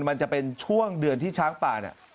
มันจะเป็นช่วงเดือนที่ช้างป่าเนี่ย